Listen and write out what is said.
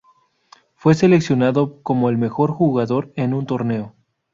Fue seleccionado como el mejor jugador en un torneo.